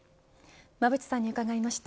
馬渕さんに伺いました。